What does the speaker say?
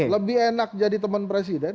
lebih enak jadi teman presiden